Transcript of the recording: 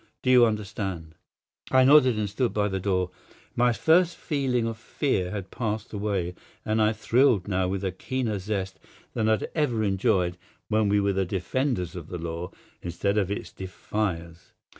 Do you understand?" I nodded and stood by the door. My first feeling of fear had passed away, and I thrilled now with a keener zest than I had ever enjoyed when we were the defenders of the law instead of its defiers.